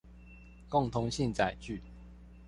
共通性載具